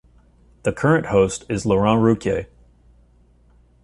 The current host is Laurent Ruquier.